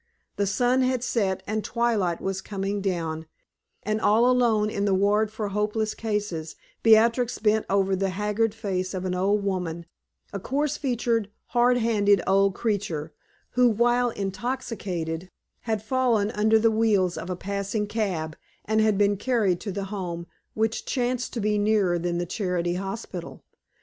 The sun had set and twilight was coming down, and all alone in the ward for hopeless cases, Beatrix bent over the haggard face of an old woman a coarse featured, hard handed old creature who while intoxicated, had fallen under the wheels of a passing cab, and had been carried to the Home, which chanced to be nearer than the charity hospital.